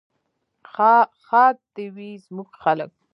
ښاد دې وي زموږ خلک.